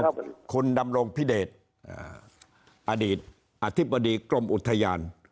ครับคุณดำรงพิเดชอดีตอธิบดีกรมอุทยาน